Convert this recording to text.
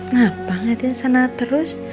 ngapain ngeliatin sana terus